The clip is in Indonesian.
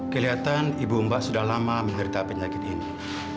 kelihatan ibu mbak sudah lama menerita penyakit ini